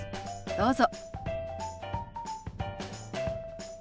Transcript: どうぞ。